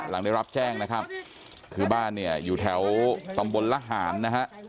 หลังได้รับแจ้งนะครับคือบ้านเนี่ยอยู่แถวตำบลละหารนะฮะ